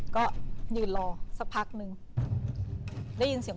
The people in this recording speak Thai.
ก็หยื่นรอสักพักนึง